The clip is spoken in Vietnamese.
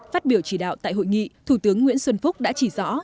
phát biểu chỉ đạo tại hội nghị thủ tướng nguyễn xuân phúc đã chỉ rõ